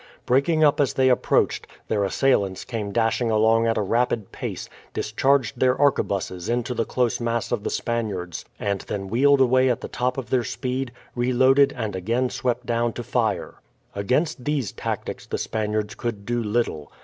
Breaking up as they approached, their assailants came dashing along at a rapid pace, discharged their arquebuses into the close mass of the Spaniards, and then wheeled away at the top of their speed, reloaded and again swept down to fire. Against these tactics the Spaniards could do little.